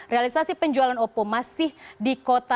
realisasi penjualan oppo masih dikontrol